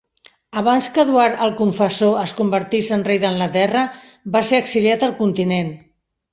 Abans que Eduard el Confessor es convertís en rei d'Anglaterra, va ser exiliat al continent.